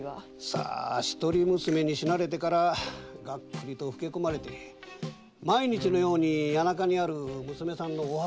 さあ一人娘に死なれてからガックリと老け込まれて毎日のように谷中にある娘さんのお墓参りを。